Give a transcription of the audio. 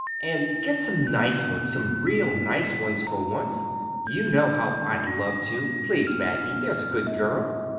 And get some nice ones—some real nice ones, for once. You know how I'd love to! Please, Maggie, there's a good girl!"